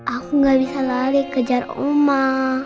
aku gak bisa lari kejar oma